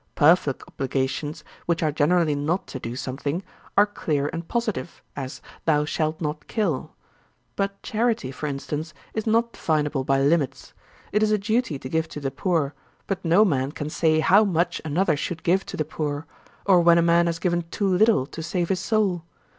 Perfect obligations, which are generally not to do something, are clear and positive; as, 'thou shalt not kill.' But charity, for instance, is not definable by limits. It is a duty to give to the poor; but no man can say how much another should give to the poor, or when a man has given too little to save his soul.